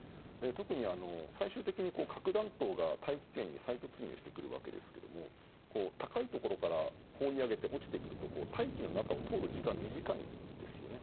特に、最終的に核弾頭が大気圏に再突入してくるわけですが高いところから放り投げて落ちてくると大気の中を通る時間が短いんですよね。